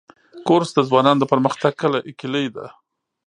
کورس د ځوانانو د پرمختګ کلۍ ده.